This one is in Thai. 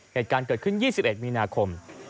เหตุการณ์เกิดขึ้น๒๑มีนาคม